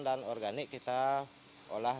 dan organik kita olah